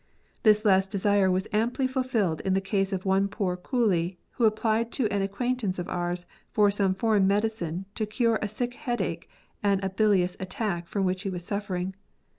This last desire was amply fulfilled in the case of one poor coolie who applied to an acquaintance of ours for some foreign medicine to cure a sick headache and bilious attack from which he was suffering.